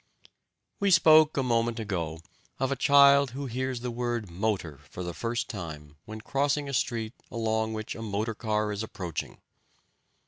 We spoke a moment ago of a child who hears the word "motor" for the first time when crossing a street along which a motor car is approaching.